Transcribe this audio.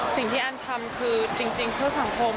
สิ่งที่แอนทำคือจริงเพื่อสังคม